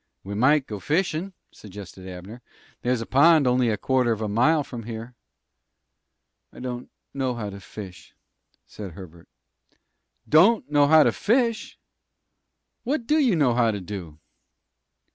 "We might go fishin'," suggested Abner. "There's a pond only a quarter of a mile from here." "I don't know how to fish," said Herbert. "Don't know how to fish? What do you know how to do?"